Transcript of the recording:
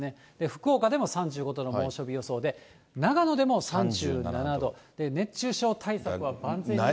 福岡でも３５度の猛暑日予想で、長野でも３７度、熱中症対策は万全に。